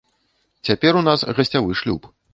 Цяпер у нас гасцявы шлюб.